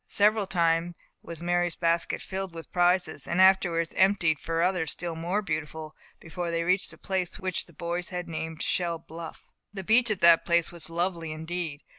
Several times was Mary's basket filled with prizes, and afterwards emptied for others still more beautiful, before they reached the place which the boys had named "Shell Bluff." The beach at that place was lovely indeed.